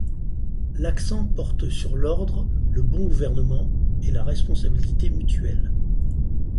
L'accent porte sur l'ordre, le bon gouvernement et la responsabilité mutuelle.